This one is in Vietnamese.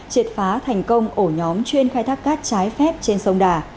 triệt phá thành công ổ nhóm chuyên khai thác cát trái phép trên sông đà